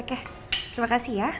oke terima kasih ya